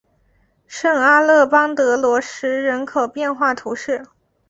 圣阿勒邦德罗什人口变化图示